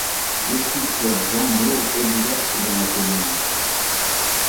Le sculpteur Jean-No exerce dans la commune.